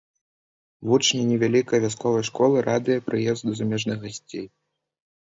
Вучні невялікай вясковай школы радыя прыезду замежных гасцей.